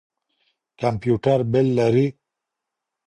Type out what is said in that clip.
کمپيوټر بِل لري.